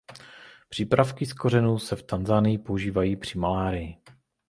Přípravky z kořenů se v Tanzanii používají při malárii.